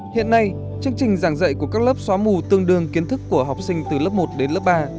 hiện nay chương trình giảng dạy của các lớp xóa mù tương đương kiến thức của học sinh từ lớp một đến lớp ba